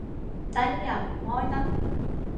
燈又唔開得